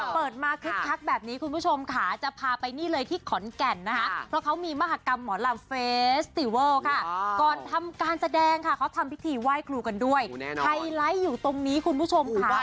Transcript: เปิดมาคึกคักแบบนี้คุณผู้ชมค่ะจะพาไปนี่เลยที่ขอนแก่นนะคะเพราะเขามีมหากรรมหมอลำเฟสติเวิลค่ะก่อนทำการแสดงค่ะเขาทำพิธีไหว้ครูกันด้วยไฮไลท์อยู่ตรงนี้คุณผู้ชมค่ะ